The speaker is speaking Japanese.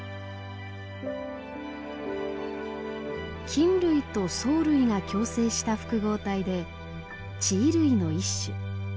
菌類と藻類が共生した複合体で地衣類の一種。